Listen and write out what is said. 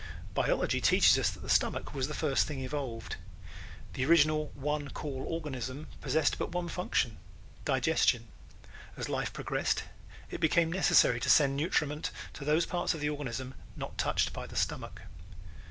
Biology teaches us that the stomach was the first thing evolved. The original one call organism possessed but one function digestion. As life progressed it became necessary to send nutriment to those parts of the organism not touched by the stomach.